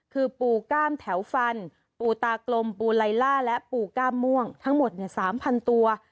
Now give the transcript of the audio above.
คือปูก้ามแถวฟันปูตากลมปูไล่ล่าและปูก้ามม่วงทั้งหมดเนี้ยสามพันตัว